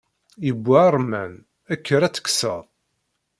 Yewwa ṛṛeman kker ad tekkseḍ.